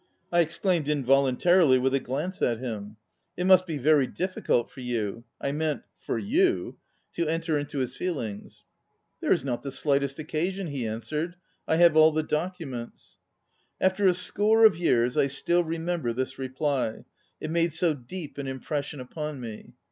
I exclaimed involuntarily, with a glance at him: "It must be very difficult for you (I meant: for you) to enter into his feelings." " There is not the slight est occasion," he answered. " I have all the documents." After a score of years I still remember this reply, it made so deep an impression upon me.